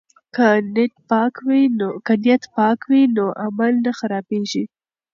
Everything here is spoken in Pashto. که نیت پاک وي نو عمل نه خرابیږي.